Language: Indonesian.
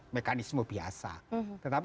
mekanisme biasa tetapi